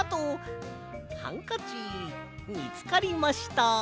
ハンカチみつかりました。